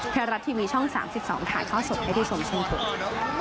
เพราะรัฐที่มีช่อง๓๒ขาดข้าวสดให้ที่สมชนทุกข์